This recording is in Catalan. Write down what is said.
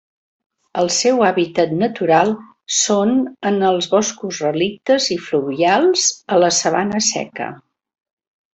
El seu hàbitat natural són en els boscos relictes i fluvials a la sabana seca.